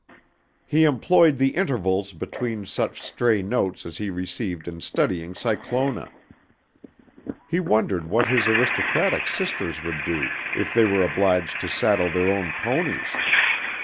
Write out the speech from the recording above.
He employed the intervals between such stray notes as he received in studying Cyclona. He wondered what his aristocratic sisters would do if they were obliged to saddle their own ponies.